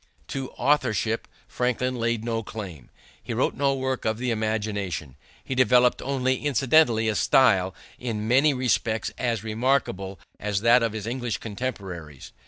To authorship Franklin laid no claim. He wrote no work of the imagination. He developed only incidentally a style in many respects as remarkable as that of his English contemporaries.